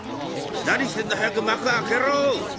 何してんだ早く幕開けろ！」。